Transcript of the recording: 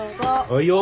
はいよ！